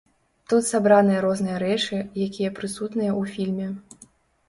Тут сабраныя розныя рэчы, якія прысутныя ў фільме.